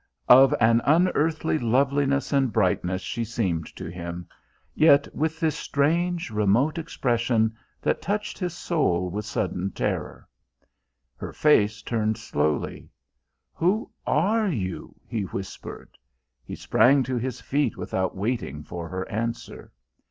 Of an unearthly loveliness and brightness she seemed to him, yet with this strange, remote expression that touched his soul with sudden terror. Her face turned slowly. "Who are you?" he whispered. He sprang to his feet without waiting for her answer.